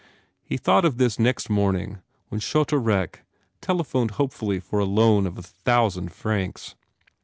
He thought of this next morning when Choute Aurec telephoned hopefully for a loan of a thousand francs.